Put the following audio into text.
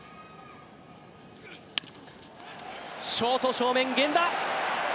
ショート正面、源田。